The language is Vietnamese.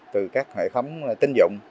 từ các hệ thống tinh dụng